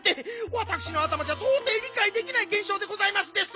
わたくしのあたまじゃとうていりかいできないげんしょうでございますです！